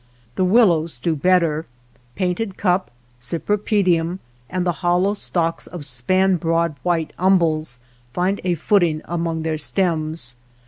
The willows do better ; painted cup, cypri pedium, and the hollow stalks of span broad white umbels, find a footing among their stems.